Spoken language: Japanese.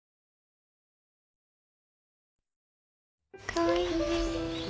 かわいいね。